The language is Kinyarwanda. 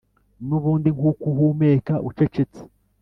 nubundi nkuko uhumeka, ucecetse.